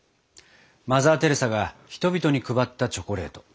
マザー・テレサが人々に配ったチョコレート。